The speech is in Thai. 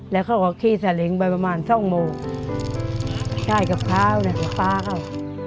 แล้วเขาก็คี่สลิงไปประมาณสองโมงไข้กับข้าวนะคือป๊าเขา